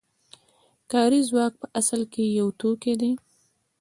کاري ځواک په اصل کې یو توکی دی